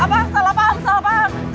apa salah paham salah paham